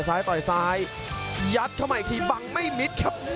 ต่อยซ้ายยัดเข้ามาอีกทีบังไม่มิดครับ